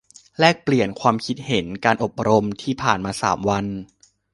แลกเปลี่ยน ความคิดเห็นการอบรมที่ผ่านมาสามวัน